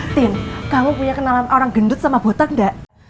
tim kamu punya kenalan orang gendut sama botak gak